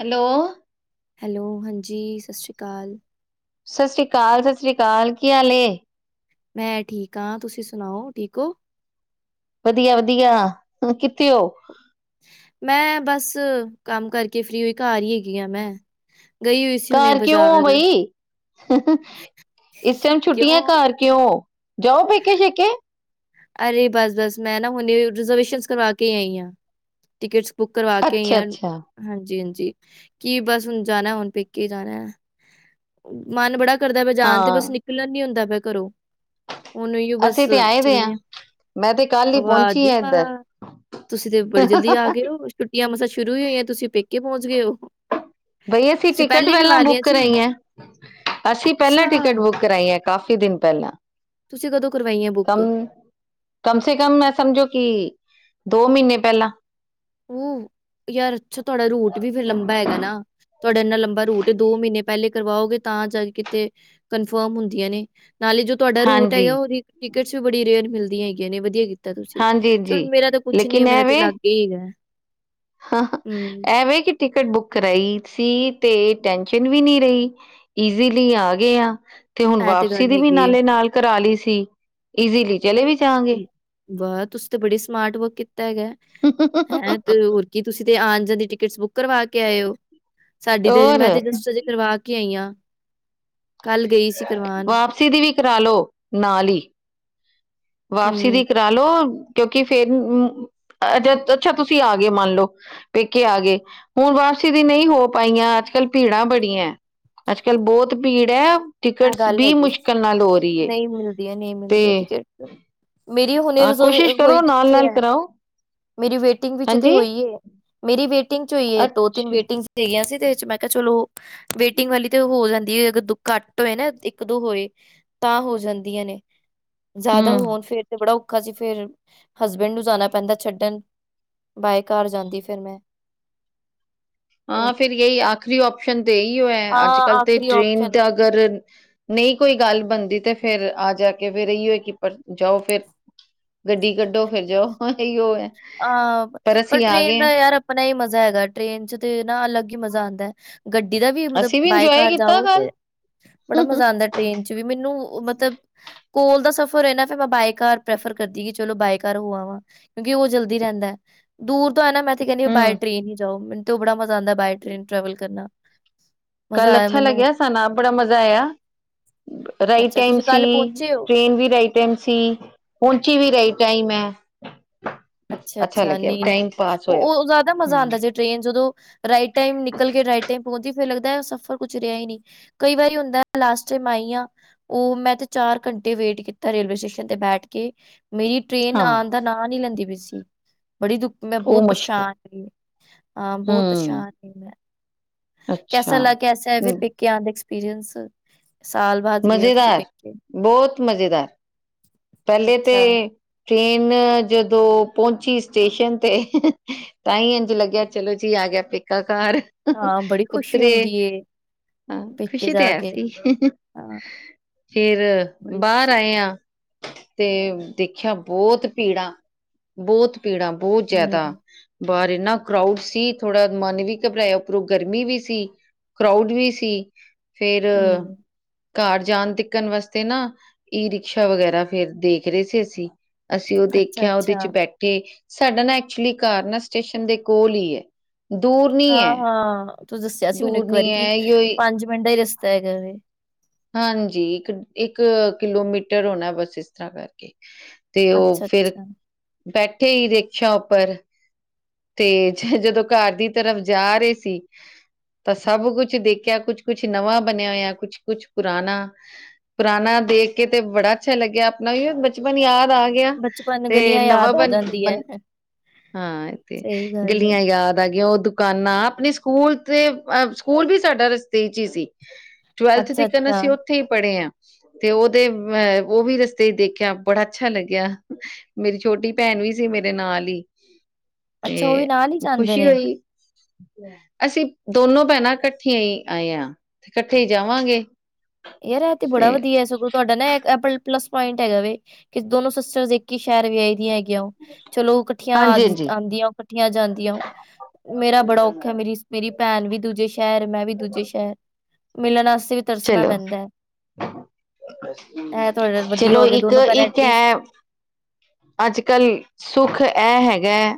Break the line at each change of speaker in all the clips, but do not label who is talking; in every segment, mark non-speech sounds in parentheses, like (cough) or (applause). Hello,
hello ਹਾਂਜੀ ਸਸ ਰੀ ਕਾਲ।
ਸਸ ਰੀ ਕਾਲ ਸਸ ਰੀ ਕਾਲ ਕੀ ਹਾਲ ਏ?
ਮੈਂ ਠੀਕ ਆਂ ਤੁਸੀਂ ਸਨਾਓ ਠੀਕ ਓਂ।
ਵਦੀਆ-ਵਦੀਆ, ਹੁਨ ਕਿੱਥੇ ਓਂ?
ਮੈਂ ਬਸ ਕੰਮ ਕਰਕੇ ਫਰੀ ਹੋਈ ਘਰ ਈ ਹੈਗੀ ਆਂ ਮੈਂ, ਗਈ ਹੋਈ ਸੀ। ਹੁਣੇ
ਘਰ ਕਿਓਂ ਓਂ
ਬਾਜ਼ਾਰ
ਬਈ। ਇਸ ਟਾਈਮ ਛੁੱਟੀਆਂ
ਕਿਉਂ
ਘਰ ਕਿਓਂ ਓਂ, ਜਾਓ ਪੇਕੇ ਛੇਕੇ।
ਅਰੇ ਬਸ-ਬਸ ਮੈਂ ਨਾ ਹੁਨੇ ਰਿਜ਼ਰਵੇਸ਼ਨਸ ਕਰਵਾ ਕੇ ਆਈ ਆਂ। ਟਿਕਟਸ ਬੁੱਕ ਕਰਵਾ ਕੇ ਆਈ
ਅੱਛਾ
ਆਂ।
ਅੱਛਾ
ਹਾਂਜੀ-ਹਾਂਜੀ, ਕੀ ਬਸ ਹੁਨ ਜਾਨਾ ਹੁਨ ਪੇਕੇ ਜਾਨਾ। ਮਨ ਬੜਾ ਕਰਦਾ ਪੇਆ ਜਾਨ ਤੇ ਬਸ
ਹਾਂ
ਨਿਕਲਨ ਨੀ ਹੁੰਦਾ ਪਿਆ ਘਰੋਂ। ਹੁਨ ਓਈਓ ਬੱਸ
ਅਸੀਂ ਤੇ ਆਏ ਦੇ ਆ
ਚੱਲੇ ਆਂ।
ਮੈਂ ਤੇ ਕੱਲ ਈ ਪੌਂਚੀ ਆ ਏਦਰ।
ਤੁਸੀਂ ਤੇ ਬੜੀ ਜਲਦੀ ਆ ਗਏ ਹੋ ਛੁੱਟੀਆਂ ਮਸਾਂ ਸ਼ੁਰੂ ਈ ਹੋਈਆਂ ਤੁਸੀਂ ਪੇਕੇ ਪੌਂਚ ਗਏ ਓਂ।
ਬਈ ਅਸੀਂ ਟਿਕਟ ਪੈਲਾਂ ਬੁੱਕ
ਸੀ
ਕਰਾਈਐਂ, ਅਸੀਂ ਪੈਲਾਂ
ਅੱਛਾ
ਟਿਕਟ ਬੁੱਕ ਕਰਾਈਐਂ ਕਾਫ਼ੀ ਦਿਨ ਪੈਲਾਂ।
ਤੁਸੀਂ ਕਦੋਂ ਕਰਵਾਈਐਂ ਬੁੱਕ।
ਕਮ ਸੇ ਕਮ ਮੈਂ ਸਮਝੋ ਕੀ, ਦੋ ਮੀਨੇ ਪੈਲਾਂ।
ਊਂ ਯਾਰ ਅੱਛਾ ਤੁਆਡਾ ਰੂਟ ਵੀ ਫਿਰ ਲੰਬਾ ਹੈਗਾ ਨਾ। ਤੁਆਡਾ ਐਨਾ ਲੰਬਾ ਰੂਟ ਦੋ ਮੀਨੇ ਪੈਲੇ ਕਰਵਾਓਗੇ ਤਾਂ ਜਾ ਕੇ ਕਿਤੇ ਕਨਫਰਮ ਹੁੰਦੀਆਂ ਨੇ ਨਾਲੇ ਜੋ ਤੁਆਡਾ ਰੂਟ
ਹਾਂਜੀ
ਹੈਗਾ ਓਦੀ ਟਿਕਟਸ ਵੀ ਬੜੀ ਰੇਅਰ ਮਿਲਦੀਆਂ ਹੈਗੀਆਂ ਨੇ ਵਦੀਆ ਕੀਤਾ ਤੁਸੀਂ
ਹਾਂਜੀ ਜੀ
ਚਲੋ ਮੇਰਾ ਤਾਂ ਕੁੱਛ ਨੀ ਐ
ਲੇਕਿਨ
ਮੇਰਾ ਤੇ ਲਾਗੇ ਈ ਹੈਗਾ।
ਹਾਂ
ਹੂੰ
ਐਵੇਂ ਕੀ ਟਿਕਟ ਬੁੱਕ ਕਰਾਈ ਸੀ ਤੇ ਟੈਸ਼ਨ ਵੀ ਨਈ ਰਈ। ਈਜ਼ੀਲੀ ਆ ਗਏ ਆਂ ਤੇ ਹੁਨ
ਇਹ
ਵਾਪਸੀ
ਗੱਲ
ਦੀ ਵੀ
ਹੈਗੀ ਹੈ
ਨਾਲੇ ਨਾਲ ਕਰਾ ਲੀ ਸੀ, ਈਜ਼ੀਲੀ ਚਲੇ ਵੀ ਜਾਵਾਂਗੇ।
ਹਮ, ਵਾਹ ਤੁਸੀਂ ਤੇ ਬੜੀ ਸਮਾਟ ਵਰਕ ਕੀਤਾ ਹੈਗੈ।
(inaudible)
ਤੇ ਹੋਰ ਕੀ ਤੁਸੀਂ ਤੇ ਆਨ ਜਾਨ ਦੀ ਟਿਕਟਸ ਬੁੱਕ ਕਰਵਾ ਕੇ ਆਏ ਓਂ, ਸਾਡੀ ਤੇ ਹਜੇ
ਔਰ
ਮੈਂ ਤੇ ਜਸਟ ਹਜੇ ਕਰਵਾ ਕੇ ਆਈਆਂ, ਕੱਲ ਗਈ ਸੀ ਕਰਵਾਨ।
ਵਾਪਸੀ ਦੀ ਵੀ ਕਰਾ ਲਓ ਨਾਲ ਹੀ। ਵਾਪਸੀ ਦੀ
ਹੂੰ
ਕਰਾਲੋ, ਕਿਉਂਕਿ ਫਿਰ, ਅੱਛਾ ਤੁਸੀਂ ਆਗੇ ਮੰਨ ਲਓ। ਪੇਕੇ ਆ ਗਏ। ਹੁਣ ਵਾਪਸੀ ਦੀ ਨਹੀਂ ਹੋ ਪਾਈਆਂ ਅੱਜ ਕੱਲ ਭੀੜਾਂ ਬੜੀਆਂ ਹੈ। ਅੱਜ ਕੱਲ੍ਹ ਬਹੁਤ ਭੀੜ ਹੈ।
ਹ
ਟਿਕਟਸ
ਗੱਲ
ਵੀ
ਹੈਗੀ।
ਮੁਸ਼ਕਿਲ ਨਾਲ ਹੋ ਰਹੀ ਹੈ
ਨਹੀਂ ਮਿਲਦੀਆਂ ਨਹੀਂ ਮਿਲਦੀਆਂ
ਤੇ
ਟਿਕਟ। ਮੇਰੀ ਹੁਨੇ
ਹਾਂ
ਰਿਜਵ
ਕੋਸ਼ਿਸ਼
ਹੋਈ
ਕਰੋ
ਕਿੱਥੇ
ਨਾਲ-ਨਾਲ
ਹੈ?
ਕਰਾਓ
ਮੇਰੀ ਵੇਟਿੰਗ ਵਿੱਚ ਤੇ
ਹਾਂਜੀ
ਹੋਈ ਹੈ, ਮੇਰੀ ਵੇਟਿੰਗ ਚ' ਹੋਈ ਹੈ ਦੋ- ਤਿੰਨ
ਅੱਛਾ
ਵੇਟਿੰਗ। ਚੱ ਹੇਗਆਂ ਸੀ ਤੇ ਚ' ਮੈਂ ਕਿਹਾ, ਚਲੋ ਵੇਟਿੰਗ ਵਾਲੀ ਤੇ ਹੋ ਜਾਂਦੀ ਹੈ ਅਗਰ ਦੁ ਘੱਟ। ਏ ਨਾ ਇੱਕ- ਦੋ ਹੋਏ ਤਾਂ ਹੋ ਜਾਂਦੀਆਂ ਨੇ ਜ਼ਿਆਦਾ
ਹੂੰ
ਹੋਣ ਫਿਰ ਤੇ ਬੜਾ। ਅਜੇ ਫਿਰ ਹਸਬੈਂਡ ਨੂੰ ਜਾਣਾ ਪੈਂਦਾ ਛੱਡਣ, ਬਾਏ ਕਾਰ ਜਾਂਦੀ ਫਿਰ ਮੈਂ।
ਹਾਂ,
ਹੋਰ
ਫਿਰ ਇਹੀ ਆਖਰੀ ਉਪਸ਼ਨ ਤੇ ਇਹੀਓ ਹੈ ਅੱਜ
ਹਾਂ
ਕੱਲ੍ਹ ਤੇ
ਆਖਰੀ
ਟ੍ਰੇਨ
ਓਪਸ਼ਨ
ਦਾ ਅਗਰ। ਨਹੀਂ ਕੋਈ ਗੱਲ ਬਣਦੀ ਤੇ ਫਿਰ ਆ ਜਾ ਕੇ ਫਿਰ ਇਹੀ ਹੋਏ ਕਿ ਜਾਓ ਫਿਰ। ਗੱਡੀ ਕੱਢੋ, ਫਿਰ ਜਾਓ ਇਹੀ ਉਹ ਹੈ।
ਆਹ ਪਰ
ਅਸੀਂ ਆ
ਟ੍ਰੇਨ
ਗਏ
ਦਾ
ਹਾਂ
ਯਾਰ ਆਪਣਾ ਹੀ ਮਜ਼ਾ ਹੈਗਾ ਟ੍ਰੇਨ ਚ' ਤੇ ਨਾ ਅਲੱਗ ਹੀ ਮਜ਼ਾ ਆਉਂਦਾ ਹੈ। ਗੱਡੀ ਦਾ ਵੀ ਮਤਲਬ,
ਅਸੀਂ
ਬਾਏ
ਇੰਜੋਏ
ਕਾਰ
ਕੀਤਾ
ਜਾਓ ਤੇ
ਕੱਲ
ਬੜਾ ਮਜ਼ਾ ਆਂਦਾ ਟ੍ਰੇਨ ਚ' ਵੀ ਮੈਨੂੰ ਮਤਲਬ ਕੋਲ ਦਾ ਸਫ਼ਰ ਹੈ ਨਾ ਫਿਰ ਮੈਂ ਬਾਏ ਕਾਰ ਪ੍ਰੈਫਰ ਕਰਦੀ ਕਿ ਚਲੋ ਬਾਏ ਕਾਰ ਹੋ ਆਂਵਾਂ। ਕਿਉਂਕਿ ਕਿ ਉਹ ਜਲਦੀ ਰਹਿੰਦਾ। ਦੂਰ ਤਾਂ ਹੈ ਨਾ ਮੈਂ ਤੇ ਕਹਿੰਦੀ ਬਾਏ
ਹੂੰ
ਟ੍ਰੇਨ ਹੀ ਜਾਓ। ਤੇ ਉਹ ਬੜਾ ਮਜਾ ਆਂਦਾ ਬਾਏ ਟਰੇਨ ਟਰੈਵਲ ਕਰਨਾ। ਮਜ਼ਾ
ਕੱਲ
ਆਇਆ
ਅੱਛਾ
ਮੈਨੂੰ।
ਲੱਗਿਆ, ਸਾਨੂੰ ਆਪ ਬੜਾ ਮਜ਼ਾ ਆਇਆ। ਰਾਈਟ
ਅੱਛਾ
ਟਾਈਮ
ਤੁਸੀਂ
ਸੀ।
ਕੱਲ ਪਹੁੰਚੇ ਹੋ?
ਟ੍ਰੇਨ ਵੀ ਰਾਈਟ ਟਾਈਮ ਸੀ। ਪਹੁੰਚੀ ਵੀ ਰਾਈਟ ਟਾਈਮ ਹੈ।
ਅੱਛਾ- ਅੱਛਾ,
ਲੱਗਿਆ
ਨਹੀਂ- ਨਹੀਂ।
ਟਾਈਮ ਪਾਸ ਹੋਇਆ
ਉਹ ਜ਼ਿਆਦਾ ਮਜ਼ਾ
ਹੂੰ
ਆਉਂਦਾ ਸੀ ਟ੍ਰੇਨ ਜਦੋਂ ਰਾਈਟ ਟਾਈਮ ਨਿਕਲ ਕੇ ਰਾਈਟ ਰਾਈਟ ਟਾਈਮ ਪਹੁੰਚਦੀ ਫਿਰ ਲੱਗਦਾ ਉਹ ਸਫ਼ਰ ਕੁੱਛ ਰਿਹਾ ਹੀ ਨਹੀਂ। ਕਈ ਵਾਰੀ ਹੁੰਦਾ ਲਾਸਟ ਟਾਈਮ ਆਈਆਂ। ਉਹ ਮੈਂ ਤੇ ਚਾਰ ਘੰਟੇ ਵੇਟ ਕੀਤਾ ਰੇਲਵੇ ਸਟੇਸ਼ਨ ਤੇ ਬੈਠ ਕੇ। ਮੇਰੀ ਟ੍ਰੇਨ
ਹਾਂ
ਆਉਣ ਦਾ ਨਾਂ ਨੀ ਲੈਂਦੀ ਪਈ ਸੀ। ਬੜੀ ਦੁੱਖ ਮੈਂ
ਉਹ
ਬਹੁਤ
ਮੁਸ਼ਕਿਲ
ਪਰੇਸ਼ਾਨ ਸੀ। ਹਾਂ, ਬਹੁਤ
ਹੂੰ,
ਪਰੇਸ਼ਾਨ ਸੀ ਮੈਂ।
ਅੱਛਾ,
ਕੈਸਾ ਲੱਗ ਕਸਾ ਹੈ
ਹੂੰ,
ਫਿਰ ਪੇਕੇ ਆਂ ਦਾ ਐਕਸਪੀਰੀੰਸ, ਸਾਲ ਬਾਅਦ। ਗਏ ਹੋ ਤੁਸੀਂ
ਮਜ਼ੇਦਾਰ,
ਪੇਕੇ?
ਬਹੁਤ ਮਜ਼ੇਦਾਰ। ਪਹਿਲੇ ਤੇ
ਅੱਛਾ,
ਟ੍ਰੇਨ ਜਦੋਂ ਪਹੁੰਚੀ ਸਟੇਸ਼ਨ ਤੇ ਤਾਂ ਹੀ ਇੰਝ ਲੱਗਿਆ ਚਲੋ ਜੀ ਆ ਗਿਆ ਪੇਕਾ ਘਰ।
ਹਾਂ ਬੜੀ ਖੁਸ਼ੀ
ਉਤਰੇ।
ਹੁੰਦੀ ਏ ਪੇਕੇ
ਖੁਸ਼ੀ ਤੇ
ਜਾ
ਹੈ
ਕੇ
ਸੀ।
ਹਾਂ।
ਫਿਰ,
ਬੜੀ
ਬਾਹਰ
ਖੁਸ਼ੀ
ਆਏ ਹਾਂ। ਤੇ ਦੇਖਿਆ ਬਹੁਤ ਭੀੜਾਂ, ਬਹੁਤ ਭੀੜਾਂ, ਬਹੁਤ ਜ਼ਿਆਦਾ।
ਹੂੰ,
ਬਾਹਰ ਇੰਨਾ ਕਰਾਊਡ ਸੀ ਥੋੜਾ ਮਨ ਵੀ ਘਬਰਾਇਆ ਉੱਪਰੋਂ ਗਰਮੀ ਵੀ ਸੀ। ਕਰਾਊਡ ਵੀ ਸੀ। ਫੇਰ
ਹੂੰ।
ਘਰ ਜਾਣ ਟਿੱਕਣ ਵਾਸਤੇ ਨਾ, ਈ ਰਿਕਸ਼ਾ ਵਗੈਰਾ ਫ਼ਿਰ ਦੇਖ ਰਹੇ ਸੀ ਅਸੀਂ। ਅਸੀਂ ਉਹ ਦੇਖਿਆ, ਉਹਦੇ ਚ'
ਅੱਛਾ-ਅੱਛਾ,
ਬੈਠੇ, ਸਾਡਾ ਨਾ ਐਕਚੁਲੀ ਘਰ ਨਾ ਸਟੇਸ਼ਨ ਦੇ ਕੋਲ ਹੀ ਹੈ। ਦੂਰ ਨੀ ਹੈ
ਹਾਂ- ਹਾਂ। ਤੁਸੀ ਦੱਸਿਆ ਸੀ ਮੈਨੂੰ
ਦੂਰ
ਇੱਕ
ਨੀ
ਵਾਰੀ, ਕਿ
ਹੈ ਇਓ
ਪੰਜ ਮਿੰਟ ਦਾ ਹੀ ਰਸਤਾ ਹੈਗਾ ਵੈ।
ਹਾਂਜੀ। ਇੱਕ- ਇੱਕ ਕਿਲੋਮੀਟਰ ਹੋਣਾ ਬਸ ਇਸ ਤਰ੍ਹਾਂ ਕਰਕੇ। ਤੇ ਉਹ ਫਿਰ,
ਅੱਛਾ-ਅੱਛਾ,
ਬੈਠੇ ਹੀ ਰਿਕਸ਼ਾ ਉੱਪਰ। ਤੇ ਜਦੋਂ ਘਰ ਦੀ ਤਰਫ ਜਾ ਰਹੇ ਸੀ ਤਾਂ ਸਭ ਕੁਛ ਦੇਖਿਆ, ਕੁਛ-ਕੁਛ ਨਵਾਂ ਬਣਿਆ ਹੋਇਆ ਕੁਛ- ਕੁਛ ਪੁਰਾਣਾ। ਪੁਰਾਣਾ ਦੇਖ ਕੇ ਤੇ ਬੜਾ ਅੱਛਾ ਲੱਗਿਆ ਆਪਣਾ ਵੀ ਬਚਪਨ ਯਾਦ ਆ ਗਿਆ ਗਿਆ।
ਬਚਪਨ
ਤੇ
ਗਲੀਆਂ
ਨਵਾਂ
ਯਾਦ ਆ
ਬਣ
ਜਾਂਦੀ ਐ,
ਬਣ ਹਾਂ ਤੇ
ਸਹੀ ਗੱਲ ਐ,
ਗਲੀਆਂ ਯਾਦ ਆ ਗਿਆ ਉਹ ਦੁਕਾਨਾਂ ਆਪਣੇ ਸਕੂਲ ਤੇ ਅ ਸਕੂਲ ਵੀ ਸਾਡਾ ਰਸਤੇ ਚ ਹੀ ਸੀ ਟਵੈਲਥ ਤੀਕਨ
ਅੱਛਾ-ਅੱਛਾ,
ਅਸੀਂ
ਅੱਛਾ
ਉੱਥੇ ਹੀ ਪੜ੍ਹੇ ਹਾਂ। ਤੇ ਉਹਦੇ ਅਹ ਉਹ ਵੀ ਰਸਤੇ ਦੇਖਿਆ ਬੜਾ ਅੱਛਾ ਲੱਗਿਆ। ਮੇਰੀ ਛੋਟੀ ਭੈਣ ਵੀ ਸੀ ਮੇਰੇ ਨਾਲ ਹੀ
ਅੱਛਾ ਉਹ ਵੀ
ਤੇ
ਨਾਲ ਹੀ ਜਾਂਦੇ
ਖੁਸ਼ੀ
ਨੇ,
ਹੋਈ। ਅਸੀਂ ਦੋਨੋ ਭੈਣਾਂ ਇਕੱਠੀਆਂ ਹੀ ਆਏ ਹਾਂ, ਤੇ ਇਕੱਠੇ ਹੀ ਜਾਵਾਂਗੇ।
ਯਾਰ ਤੇ ਬੜਾ ਵਧੀਆ ਏ ਸਗੋਂ। ਤੁਹਾਡਾ ਨਾ ਅਪ ਪਲੱਸ ਪੁਆਇੰਟ ਹੈਗਾ ਵੇ, ਕਿ ਦੋਨੋ ਸਿਸਟਰਸ ਇੱਕ ਹੀ ਸ਼ਹਿਰ ਵੀ ਆਏ ਦੀਆਂ ਹੈ ਚਲੋ ਇਕੱਠੀਆਂ
ਹਾਂਜੀ ਹਾਂਜੀ
ਆਉਂਦੀਆਂ ਓ ਇਕੱਠੀਆਂ ਜਾਂਦੀਆਂ ਓ। ਮੇਰਾ ਬੜਾ ਔਖਾ ਏ ਮੇਰੀ ਮੇਰੀ ਭੈਣ ਵੀ ਦੂਜੇ ਸ਼ਹਿਰ, ਮੈਂ ਵੀ ਦੂਜੇ ਸ਼ਹਿਰ ਮਿਲਣ ਵਾਸਤੇ ਵੀ ਤਰਸਣਾ
ਚਲੋ
ਪੈਂਦਾ ਐ, ਇਹ ਤੁਹਾਡਾ ਵਧੀਆ
ਚਲੋ
ਹੋ ਗਿਆ
ਇੱਕ
ਦੋਨੋ ਭੈਣਾਂ
ਇੱਕ
ਐਟਲੀਸਟ
ਹੈ ਅੱਜ ਕੱਲ ਸੁੱਖ ਇਹ ਹੈਗਾ ਹੈ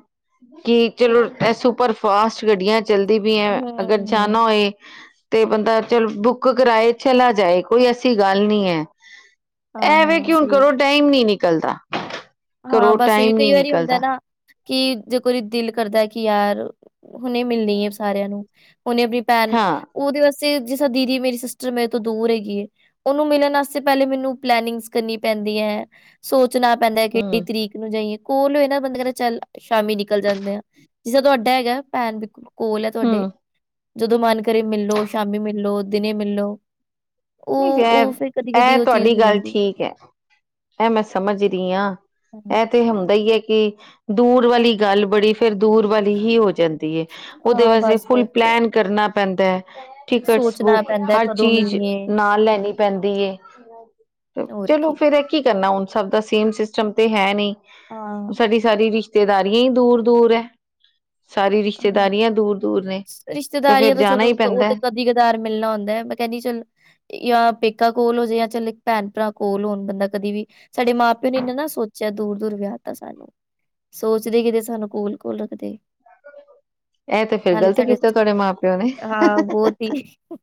ਕਿ ਚਲੋ ਇਹ ਸੁਪਰ ਫਾਸਟ ਗੱਡੀਆਂ ਏ ਜਲਦੀ ਵੀ ਹੈ ਅਗਰ
ਹੂੰ,
ਜਾਣਾ ਹੋਏ ਤੇ ਬੰਦਾ ਚਲ ਬੁੱਕ ਕਰਾਏ ਚਲਾ ਜਾਏ ਕੋਈ ਐਸੀ ਗੱਲ ਨਹੀਂ ਹੈ,
ਹਾਂ,
ਐਵੇਂ
ਹਾਂ
ਕਿ ਹੁਣ
ਸਹੀ
ਕਰੋ ਟਾਈਮ ਨੀ ਨਿਕਲਦਾ,
ਹਾਂ,
ਕਰੋ
ਬਸ ਉਹੀ
ਟਾਈਮ ਨੀ
ਕਈ ਵਾਰੀ ਹੁੰਦਾ
ਨਿਕਲਦਾ।
ਨਾ ਕਿ ਜੇ ਕੋ ਦਿਲ ਕਰਦਾ ਕਿ ਯਾਰ ਹੁਨੇ ਮਿਲਣੀ ਹੈ ਸਾਰਿਆਂ ਨੂੰ ਉਹਨੇ ਆਪਣੀ ਭੈਣ
ਹਾਂ
ਉਹਦੇ ਵਾਸਤੇ ਜਿਸ ਤਰਾ ਦੀਦੀ ਮੇਰੀ ਸਿਸਟਰ ਮੇਰੇ ਤੋਂ ਦੂਰ ਹੈਗੀ ਐ। ਉਹਨੂੰ ਮਿਲਣ ਵਾਸਤੇ ਪਹਿਲੇ ਮੈਨੂੰ ਪਲੈਨਿੰਗਸ ਕਰਨੀ ਪੈਂਦੀ ਹੈ, ਸੋਚਣਾ ਪੈਂਦਾ ਤੇ
ਹਮ
ਤਰੀਕ ਨੂੰ ਜਾਈਏ, ਕੋਲ ਹੋਏ ਨਾ ਬੰਦੇਿਆਂ ਨਾਲ ਚੱਲ ਸ਼ਾਮੀ ਨਿਕਲ ਜਾਂਦੇ ਆ। ਜਿਸ ਤਰਾ ਤੁਹਾਡਾ ਹੈਗਾ ਭੈਣ ਬਕੁਲ ਕੋਲ ਹੈ ਤੁਹਾਡੇ,
ਹਮ
ਜਦੋਂ ਮਨ ਕਰੇ ਮਿਲਲੋ ਸ਼ਾਮੀ ਮਿਲੋ ਦਿਨੇ ਮਿਲੋ
ਨਹੀਂ, ਇਹ
ਉਹ ਚੀਜ਼
ਤੁਹਾਡੀ
ਹੋ
ਗੱਲ
ਜਾਂਦੀ
ਠੀਕ ਹੈ। ਇਹ ਮੈਂ ਸਮਝ ਰਹੀ ਹਾਂ,
ਹੈ।
ਇਹ ਤੇ ਹੁੰਦਾ ਹੀ ਹੈ ਕਿ ਦੂਰ ਵਾਲੀ ਗੱਲ ਬੜੀ ਫਿਰ ਦੂਰ ਵਾਲੀ ਹੀ ਹੋ ਜਾਂਦੀ ਹੈ, ਉਹਦੇ
ਹਾਂ
ਵਾਸਤੇ ਫੁੱਲ
ਬਸ-ਬਸ
ਪਲੈਨ ਕਰਨਾ ਪੈਂਦਾ ਹੈ, ਟਿਕਟਸ
ਸੋਚਣਾ
ਬੁੱਕ
ਪੈਂਦਾ ਹੈ
ਹਰ
ਕਦੋਂ
ਚੀਜ਼
ਮਿਲੀਏ
ਨਾਲ ਲੈਣੀ ਪੈਂਦੀ ਏ, ਤੇ ਚਲੋ ਫੇਰ ਇਹ ਕੀ ਕਰਨਾ ਹੁਣ ਸਭ ਦਾ ਸੇਮ ਸਿਸਟਮ ਤੇ ਹੈ ਨਹੀਂ,
ਹਾਂ,
ਸਾਡੀ ਸਾਰੀ ਰਿਸ਼ਤੇਦਾਰੀਆਂ ਹੀ ਦੂਰ ਦੂਰ ਹੈ। ਸਾਰੀ
ਹਾਂ।
ਰਿਸ਼ਤੇਦਾਰੀਆਂ ਦੂਰ ਦੂਰ ਨੇ, ਤੇ ਫ਼ਿਰ
ਰਿਸ਼ਤੇਦਾਰੀਆਂ ਤਾਂ
ਜਾਣਾ ਹੀ
ਚਲੋ ਕ- ਉਹ
ਪੈਂਦਾ
ਤਾਂ
ਏ।
ਕਦੀ ਕਦਾਰ ਮਿਲਣਾ ਹੁੰਦਾ ਏ, ਮੈਂ ਕਹਿੰਦੀ ਚਲ ਯਾ ਪੇਕਾ ਕੋਲ ਹੋ ਜੇ ਯਾ ਚੱਲ ਭੈਣ ਭਰਾ ਕੋਲ ਹੋਣ ਬੰਦਾ ਕਦੇ ਵੀ ਸਾਡੇ ਮਾਂ ਪਿਓ ਨੇ ਇਹਨਾ ਨਾ ਸੋਚ ਜਾਂ ਦੂਰ-ਦੂਰ ਵਿਆਹ ਤਾ ਸਾਨੂੰ, ਸੋਚਦੇ ਕਿਤੇ ਸਾਨੂੰ ਕੋਲ-ਕੋਲ ਰੱਖਦੇ।
ਇਹ ਤੇ ਫੇਰ
ਨਾਲੇ
ਗ਼ਲਤ ਕੀਤਾ ਤੁਹਾਡੇ ਮਾਂ ਪਿਓ ਨੇ।
ਤੇ (inaudible)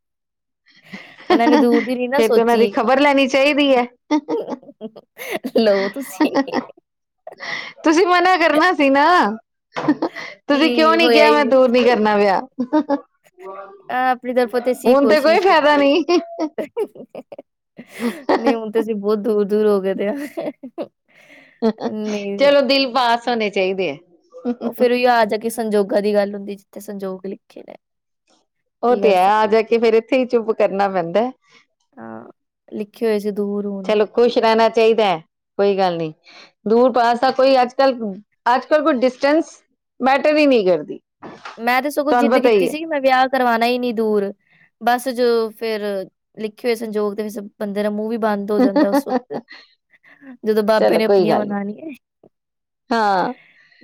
ਨਾ
ਫਿਰ ਤੇ ਉਹਨਾਂ ਦੀ
ਸੋਚੀ
ਖਬਰ ਲੈਣੀ ਚਾਹੀਦੀ ਹੈ।
ਲਓ ਤੁਸੀਂ
ਤੁਸੀਂ ਮਨਾ ਕਰਨਾ ਸੀ ਨਾ। ਤੁਸੀਂ ਕਿਉਂ
ਕੀ
ਨੀ
ਹੋਇਆ
ਕਿਹਾ, ਮੈਂ
ਹੀ
ਦੂਰ ਨੀ
ਅ
ਕਰਨਾ ਵਿਆ। ਹਣ ਤੇ ਕੋਈ
ਸ਼ੀਸ਼।
ਫਾਇਦਾ ਨਹੀਂ
ਨਹੀਂ ਹੁਣ ਤਾਂ ਅਸੀਂ ਬਹੁਤ ਦੂਰ-ਦੂਰ ਹੋ ਗਏ ਦੇ ਹਾਂ।
ਚਲੋ ਦਿਲ ਪਾਸ ਹੋਣੇ ਚਾਹੀਦੇ ਐ।
ਉਹ ਫ਼ਿਰ ਓਹ ਹੀ ਓ ਆ ਜਾ ਕੇ ਸੰਜੋਗਾਂ ਦੀ ਗੱਲ ਹੁੰਦੀ ਜਿੱਥੇ ਸੰਜੋਗ ਲਿਖੇ ਨੇ।
ਉਹ
ਕੀ ਕਰ
ਤੇ ਹੈ, ਆ
ਸਕਦੇ
ਜਾ ਕੇ ਫਿਰ ਇੱਥੇ ਹੀ ਚੁੱਪ ਕਰਨਾ ਪੈਂਦਾ।
ਹਾਂ, ਲਿਖੇ ਹੋਏ ਜੇ ਦੂਰ ਹੁਣ।
ਚਲੋ ਖੁਸ਼ ਰਹਿਣਾ ਚਾਹੀਦੈ ਕੋਈ ਗੱਲ ਨਹੀਂ। ਦੂਰ ਪਾਸ ਦਾ ਕੋਈ ਅੱਜ ਕੱਲ ਅੱਜ ਕੱਲ ਕੋਈ ਡਿਸਟੈਂਸ ਮੈਟਰ ਹੀ ਨਹੀਂ ਕਰਦੀ।
ਮੈਂ ਤੇ ਸਗੋਂ
ਤੁਹਾਨੂੰ
ਜਿੱਦ
ਪਤਾ
ਕੀਤੀ
ਹੀ ਹੈ
ਸੀਗੀ ਮੈਂ ਵਿਆਹ ਕਰਵਾਣਾ ਹੀ ਨੀ ਦੂਰ। ਬਸ ਜਦੋਂ ਫਿਰ ਲਿਖੇ ਹੋਏ ਸੰਯੋਗ ਤੇ ਬੰਦੇ ਦਾ ਮੂੰਹ ਵੀ ਬੰਦ ਹੋ ਜਾਂਦਾ ਉਸ ਵਕਤ ਜਦੋਂ ਬਾਬੇ
ਚਲੋ
ਨੇ
ਕੋਈ
ਆਪਣੀਆਂ
ਗੱਲ ਨੀ
ਮਨਾਨੀ ਏ।
ਹਾਂ।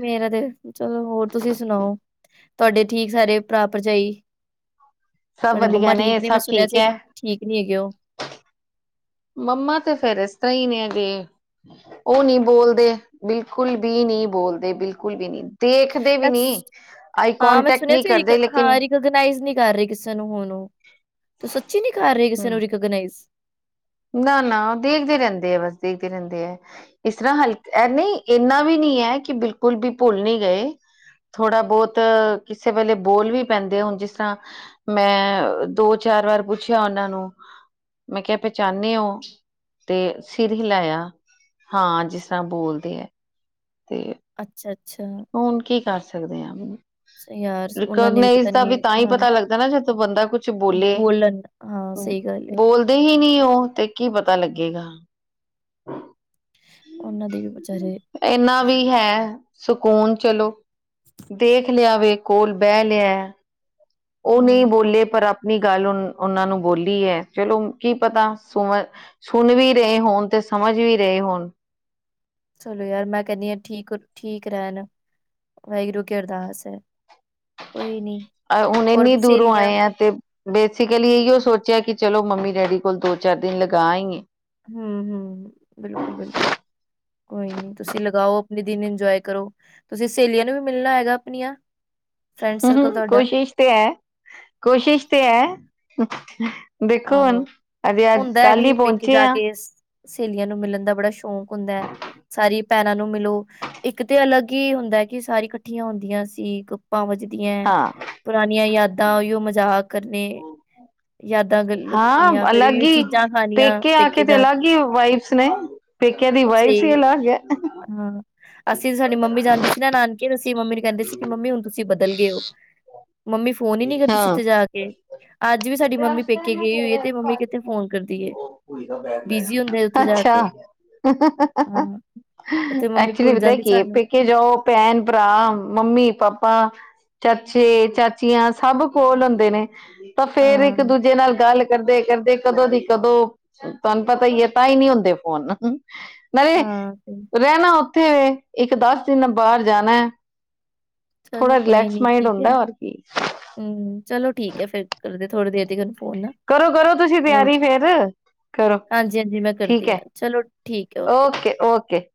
ਮੇਰਾ ਤੇ ਚਲੋ ਹੋਰ ਤੁਸੀਂ ਸੁਣਾਓ ਤੁਹਾਡੇ ਠੀਕ ਸਾਰੇ ਭਰਾ ਭਰਜਾਈ।
ਸਭ
ਤੁਹਾਡੇ
ਵਧੀਆ
ਮੰਮਾ ਠੀਕ ਨੇ, ਮੈਂ
ਸਭ
ਸੁਣਿਆ
ਠੀਕ
ਸੀ
ਹੈ
ਠੀਕ ਨਹੀਂ ਹੈਗੇ ਉਹ।
ਮੰਮਾ ਤੇ ਫਿਰ ਇਸ ਤਰ੍ਹਾਂ ਹੀ ਨੇ ਅਜੇ। ਉਹ ਨਹੀਂ ਬੋਲਦੇ ਬਿਲਕੁਲ ਬੀ ਨਹੀਂ ਬੋਲਦੇ ਬਿਲਕੁਲ ਬੀ ਨਹੀਂ। ਦੇਖਦੇ ਵੀ ਨੀ।
ਸੱਚ ਹਾਂ ਮੈਂ ਸੁਣਿਆ ਸੀ, ਹਾਂ ਰਿਕੋਗਨਾਈਜ਼ ਨਹੀਂ ਕਰ ਰਹੀ ਕਿਸੇ ਨੂੰ ਹੁਣ ਉਹ। ਤੋ ਸੱਚੀ ਨੀ ਕਰ ਰਹੀ ਕਿਸੇ ਨੂੰ ਰਿਕੋਗਨਾਈਜ਼।
ਨਾ ਨਾ ਦੇਖਦੇ ਰਹਿੰਦੇ ਹੈ, ਬਸ ਦੇਖਦੇ ਰਹਿੰਦੇ ਹੈ। ਇਸ ਤਰ੍ਹਾਂ ਹਲਕ ਨਹੀਂ ਇੰਨਾ ਵੀ ਨਹੀਂ ਹੈ, ਕਿ ਬਿਲਕੁਲ ਬੀ ਭੁੱਲ ਨਹੀਂ ਗਏ। ਥੋੜ੍ਹਾ ਬਹੁਤ ਕਿਸੇ ਵੇਲੇ ਬੋਲ ਵੀ ਪੈਂਦੇ ਹੁਣ ਜਿਸ ਤਰ੍ਹਾਂ ਮੈਂ ਦੋ-ਚਾਰ ਵਾਰ ਪੁੱਛਿਆ ਉਹਨਾਂ ਨੂੰ ਮੈਂ ਕਿਹਾ ਪਹਿਚਾਣੇ ਹੋ ਤੇ ਸਿਰ ਹਿਲਾਇਆ ਹਾਂ ਜਿਸ ਤਰ੍ਹਾਂ ਬੋਲਦੇ ਹੈ। ਤੇ
ਅੱਛਾ ਅੱਛਾ।
ਹੁਣ ਕੀ ਕਰ ਸਕਦੇ ਹਾਂ।
ਅੱਛਾ ਯਾਰ ਉਹਨਾਂ ਨੇ
ਰਿਕੋਗਨਾਈਜ਼
ਪਤਾ
ਦਾ ਵੀ
ਨਹੀਂ
ਤਾਂਹੀ
ਹਾਂ
ਪਤਾ ਲੱਗਦਾ ਨਾ ਜਦੋਂ ਬੰਦਾ ਕੁਛ ਬੋਲੇ।
ਬੋਲਣ ਹਾਂ, ਸਹੀ ਗੱਲ ਏ।
ਦੇਖਦੇ ਹੀ ਨਹੀਂ ਉਹ ਤੇ ਕੀ ਪਤਾ ਲੱਗੇਗਾ।
ਉਹਨਾਂ ਦੇ ਵੀ ਵਿਚਾਰੇ
ਇਨਾ ਵੀ ਹੈ। ਸਕੂਨ ਚਲੋ ਦੇਖ ਲਿਆ ਵੇ ਕੋਲ ਬਹਿ ਲਿਆ। ਉਹ ਨਹੀਂ
ਹਮ
ਬੋਲੇ ਪਰ ਆਪਣੀ ਗੱਲ ਉਹਨਾਂ ਨੂੰ ਬੋਲੀ ਹੈ, ਚਲੋ ਕੀ ਪਤਾ ਸੁਣ ਵੀ ਰਹੇ ਹੋਣ ਤੇ ਸਮਝ ਵੀ ਰਹੇ ਹੋਣ।
ਚਲੋ ਯਾਰ ਮੈਂ ਕਹਿੰਦੀ ਹਾਂ ਠੀਕ ਠੀਕ ਰਹਿਣ ਵਾਹਿਗੁਰੂ ਅੱਗੇ ਅਰਦਾਸ ਹੈ। ਕੋਈ ਨਹੀਂ।
ਹੁਣ
ਔਰ
ਇੰਨੀ
ਵੀ
ਦੂਰੋਂ
ਸਹੇਲੀਆਂ
ਆਏ ਆਂ ਤੇ ਬੇਸਿਕਲੀ ਇਹਿ ਓ ਸੋਚਿਆ ਕਿ ਚਲੋ ਮੰਮੀ ਡੈਡੀ ਕੋਲ ਦੋ ਚਾਰ ਦਿਨ ਲਗਾ ਆਈਏ।
ਹਮ ਹਮ ਬਿਲਕੁਲ ਬਿਲਕੁਲ। ਹਮ ਤੁਸੀਂ ਲਗਾਓ ਆਪਣੇ ਦਿਨ ਇੰਜੋਯ ਕਰੋ। ਤੁਸੀਂ ਸਹੇਲੀਆਂ ਨੂੰ ਵੀ ਮਿਲਣਾ ਹੈਗਾ ਆਪਣੀਆਂ। ਫਰੈਂਡ
ਹਮ
ਸਰਕਲ
ਹਮ
ਤੁਹਾਡਾ
ਕੋਸ਼ਿਸ਼ ਤੇ ਹੈ ਕੋਸ਼ਿਸ਼ ਤੇ ਹੈ। ਦੇਖੋ
ਆਹੋ
ਹੁਣ ਅਜੇ ਅੱਜ
ਹੁੰਦਾ ਹੈ
ਕੱਲ ਹੀ
ਵੀ ਪੇਕੇ
ਪਹੁੰਚੇ
ਜਾ
ਹਾਂ।
ਕੇ ਸ- ਸਹੇਲੀਆਂ ਨੂੰ ਮਿਲਣ ਦਾ ਬੜਾ ਸ਼ੌਂਕ ਹੁੰਦਾ ਹੈ। ਸਾਰੀ ਬੈਹਣਾ ਨੂੰ ਮਿਲੋ ਇੱਕ ਤੇ ਅਲੱਗ ਹੀ ਹੂਦੈਂ ਕਿ ਸਾਰੀ ਇਕੱਠੀਆਂ ਹੁੰਦੀਆਂ ਸੀ। ਗੱਪਾਂ ਵੱਜਦੀਆਂ
ਹਾਂ
ਪੁਰਾਣੀਆਂ ਯਾਦਾਂ ਓਹੀ ਮਜ਼ਾਕ ਕਰਨੇ ਯਾਦ
ਹਾਂ ਅਲੱਗ ਹੀ ਪੇਕੇ ਆ ਕੇ ਤੇ ਅਲੱਗ ਹੀ ਵਾਈਬੱਸ ਨੇ। ਪੇਕਿਆ ਦੀ ਵਾਈਬੱਸ ਹੀ
ਸਹੀ
ਅਲੱਗ ਹੈ।
ਹਾਂ। ਅਸੀਂ ਸਾਡੀ ਮੰਮੀ ਜਾਂਦੀ ਸੀ ਨਾ ਨਾਨਕੇ। ਅਸੀ ਮੰਮੀ ਨੂੰ ਕਹਿੰਦੇ ਸੀ ਕਿ ਮੰਮੀ ਹੁਣ ਤੁਸੀਂ ਬਦਲ ਗਏ ਹੋ ਮੰਮੀ। ਫੋਨ ਹੀ ਨੀ ਕਰਦੀ ਸੀ
ਹਾਂ
ਉੱਥੇ ਜਾ ਕੇ ਅੱਜ ਵੀ ਸਾਡੀ ਮੰਮੀ ਪੇਕੇ। ਗਈ ਹੋਈ ਹੈ ਤੇ ਮੰਮੀ ਕਿਤੇ ਫੋਨ ਕਰਦੀ ਹੈ ਬਿਜੀ ਹੁੰਦੇ ਉੱਥੇ ਜਾ
ਅੱਛਾ।
ਕੇ ਹਾਂ। ਉੱਥੇ ਮੰਮੀ
ਐਕਚੁਲੀ
ਭੁੱਲ
ਪਤਾ ਤਾ ਕਿ
ਜਾਂਦੀ
ਪੇ।
ਸਾਨੂੰ
ਪੇਕੇ ਜਾਓ ਭੈਣ ਭਰਾ ਮੰਮੀ ਪਾਪਾ ਚਾਚੇ ਚਾਚ। ਚਾਚੀਆਂ ਸਭ ਕੋਲ ਹੁੰਦੇ ਨੇ। ਤਾਂ ਫਿਰ ਇੱਕ
ਹਾਂ
ਦੂਜੇ ਨਾਲ ਗੱਲ ਕਰਦੇ ਕਰਦੇ ਕਦੋਂ ਦੀ ਕਦੋਂ। ਤੁਹਾਨੂੰ ਪਤਾ ਹੀ ਹੈ ਤਾਂ ਹੀ ਨਹੀਂ ਹੁੰਦੇ ਫੋਨ ਨਹੀਂ।
ਹਾਂ ਤੇ
ਰਹਿਣਾ ਉੱਥੇ ਵੇ ਇੱਕ ਦਸ ਦਿਨ ਬਾਹਰ ਜਾਣਾ।
ਚਲੋ
ਥੋੜਾ ਰਿਲੈਕਸ ਮਾਈੰਡ ਹੁੰਦਾ ਹੈ।
ਹਮ ਚਲੋ ਠੀਕ ਹੈ ਫਿਰ ਕਰਦੇ ਥੋੜੀ ਦੇਰ ਤਿਕਣ।
ਕਰੋ-ਕਰੋ ਤੁਸੀਂ ਤਿਆਰੀ ਫਿਰ। ਕਰੋ
ਹਾਂਜੀ, ਹਾਂਜੀ ਮੈਂ
ਠੀਕ
ਕਰਦੀ
ਹੈ
ਹਾਂ ਚਲੋ ਠੀਕ ਹੈ ਓਕੇ
ਓਕੇ-ਓਕੇ।